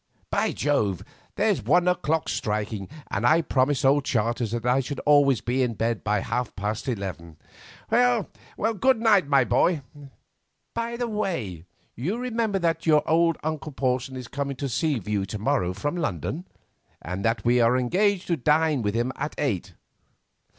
By Jove! there's one o'clock striking, and I promised old Charters that I would always be in bed by half past eleven. Good night, my boy. By the way, you remember that your uncle Porson is coming to Seaview to morrow from London, and that we are engaged to dine with him at eight.